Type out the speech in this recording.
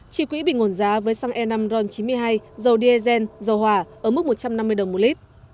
chi quỹ bình nguồn giá với xăng e năm ron chín mươi hai dầu diesel dầu hỏa ở mức một trăm năm mươi đồng một lít